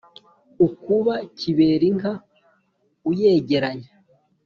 ukuba kiberinka uyegeranya;